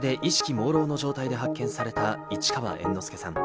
もうろうの状態で発見された市川猿之助さん。